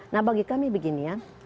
nah bagi kami begini ya